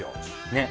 ねっ。